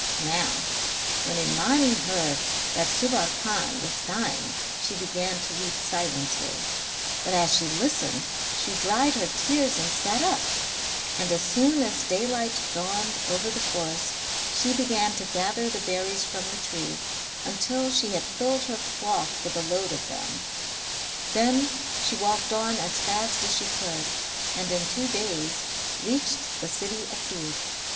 Now when Imani heard that Subbar Khan was dying she began to weep silently; but as she listened she dried her tears and sat up; and as soon as daylight dawned over the forest she began to gather the berries from the tree until she had filled her cloth with a load of them. Then she walked on as fast as she could, and in two days reached the city of Dûr.